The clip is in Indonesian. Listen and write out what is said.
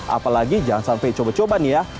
apalagi jangan sampai coba coba nih ya